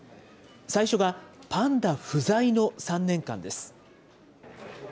最初が、パンダ不在の３年間です。